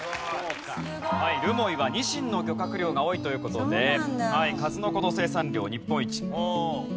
留萌はニシンの漁獲量が多いという事で数の子の生産量日本一。